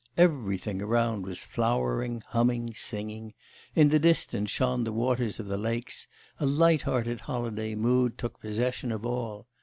Everything around was flowering, humming, singing; in the distance shone the waters of the lakes; a light hearted holiday mood took possession of all.